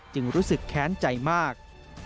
รู้สึกแค้นใจมาก